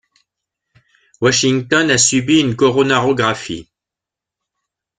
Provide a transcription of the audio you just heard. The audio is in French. Washington a subi une coronarographie.